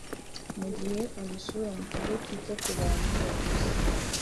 mu gihe amusura mu kigo kita ku bantu bakuze